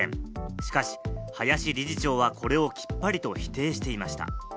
しかし、林理事長はこれをきっぱりと否定していました。